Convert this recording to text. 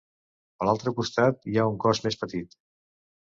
A l'altre costat, hi ha un cos més petit.